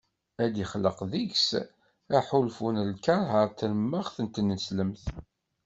Ad d-ixleq deg-s aḥulfu n lkerh ɣer tremmeɣt tineslemt.